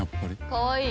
かわいい。